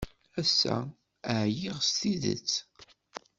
Ass-a, ɛyiɣ s tidet.